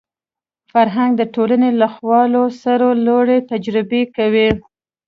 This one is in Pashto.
فرهنګ د ټولنې له خوالو سره لوړې تجربه کوي